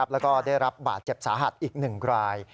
แล้วก็ได้รับบาดเจ็บสาหัสอีก๑ราย